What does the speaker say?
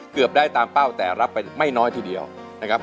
เกือบได้ตามเป้าแต่รับไปไม่น้อยทีเดียวนะครับ